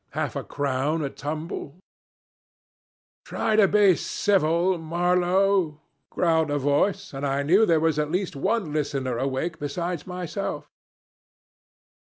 half a crown a tumble " "Try to be civil, Marlow," growled a voice, and I knew there was at least one listener awake besides myself.